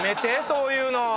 そういうの。